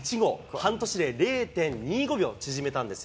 半年で０．２５秒縮めたんです。